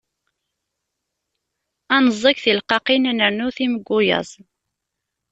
Ad neẓẓeg tileqqaqin, ad nernu timegguyaz.